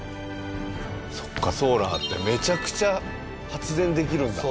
そっかソーラーってめちゃくちゃ発電できるんだ。